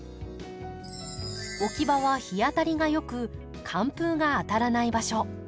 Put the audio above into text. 置き場は日当たりが良く寒風が当たらない場所。